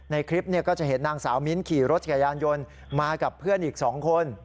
ในคลิปก็จะเห็นนางสาวมิ้นขี่รถจักรยานยนต์มากับเพื่อนอีก๒คน